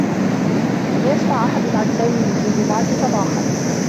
لم يسمع أحد عن سامي منذ الجمعة صباحا.